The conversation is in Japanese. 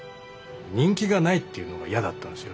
人気がないっていうのが嫌だったんですよ。